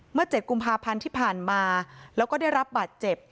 ๗กุมภาพันธ์ที่ผ่านมาแล้วก็ได้รับบาดเจ็บ